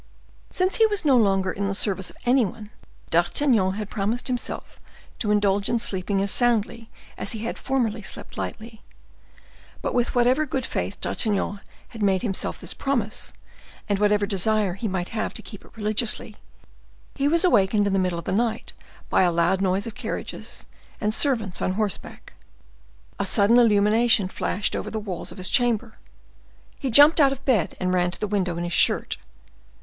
Since he was no longer in the service of any one, D'Artagnan had promised himself to indulge in sleeping as soundly as he had formerly slept lightly; but with whatever good faith D'Artagnan had made himself this promise, and whatever desire he might have to keep it religiously, he was awakened in the middle of the night by a loud noise of carriages, and servants on horseback. A sudden illumination flashed over the walls of his chamber; he jumped out of bed and ran to the window in his shirt.